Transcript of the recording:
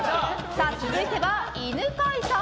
続いては犬飼さん。